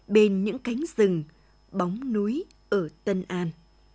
bên những cánh rừng bóng núi ở tân an